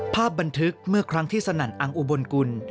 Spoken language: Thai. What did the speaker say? บันทึกเมื่อครั้งที่สนั่นอังอุบลกุล